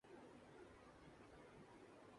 کیا تم نے کبھی اسے غصے میں دیکھا ہے؟